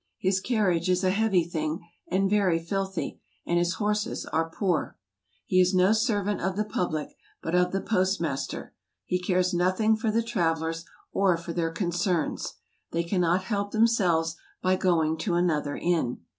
His carriage is a heavy thing, and very filthy, and his horses are poor. He is no servant of the public, but of the postmaster; he cares nothing for the tra¬ vellers, or for their concerns. They cannot help themselves, by going to another inn.